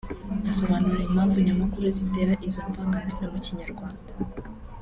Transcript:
asobanura impamvu nyamukuru zitera iryo vangandimi mu Kinyarwanda